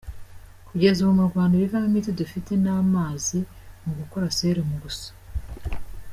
Kugeza ubu mu Rwanda ibivamo imiti dufite ni amazi mu gukora serumu gusa.